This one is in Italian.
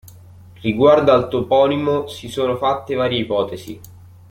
Riguardo al toponimo, si sono fatte varie ipotesi.